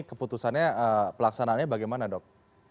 keputusannya pelaksanaannya bagaimana dok